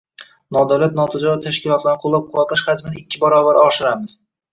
Nodavlat notijorat tashkilotlarini qo‘llab-quvvatlash hajmini ikki barobar oshiramiz.